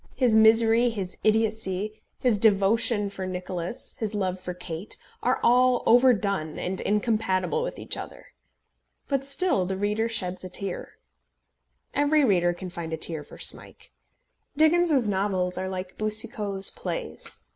His misery, his idiotcy, his devotion for Nicholas, his love for Kate, are all overdone and incompatible with each other. But still the reader sheds a tear. Every reader can find a tear for Smike. Dickens's novels are like Boucicault's plays.